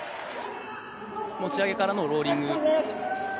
持ち上げからのローリング。